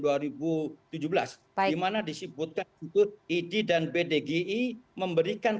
di mana disebutkan untuk id dan pdgi memberikan